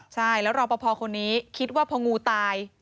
ใช่แล้วรอปภคนนี้คิดว่าพองูตาย